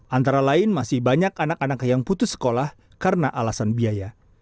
antara lain masih banyak anak anak yang putus sekolah karena alasan biaya